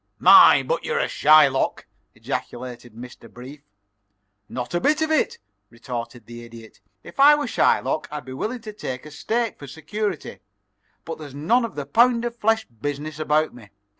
"My, but you're a Shylock!" ejaculated Mr. Brief. "Not a bit of it," retorted the Idiot. "If I were Shylock I'd be willing to take a steak for security, but there's none of the pound of flesh business about me.